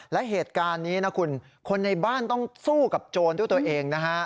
และเหตุการณ์นี้นะคุณคนในบ้านต้องสู้กับโจรด้วยตัวเองนะฮะ